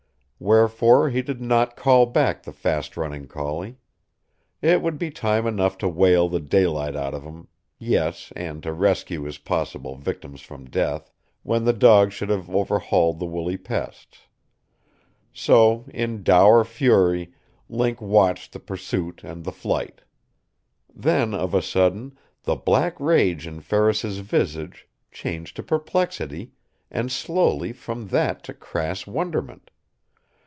Wherefore he did not call back the fastrunning collie. It would be time enough to whale the daylight out of him yes, and to rescue his possible victims from death when the dog should have overhauled the woolly pests. So, in dour fury, Link watched the pursuit and the flight. Then, of a sudden, the black rage in Ferris's visage changed to perplexity, and slowly from that to crass wonderment.